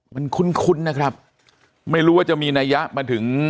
มันคุ้นนะครับไม่รู้ว่าจะมีนัยยะมาถึง